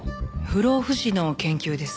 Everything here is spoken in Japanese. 不老不死の研究です。